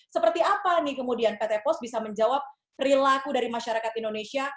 seperti apa nih kemudian pt pos bisa menjawab perilaku dari masyarakat indonesia